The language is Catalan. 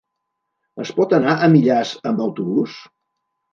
Es pot anar a Millars amb autobús?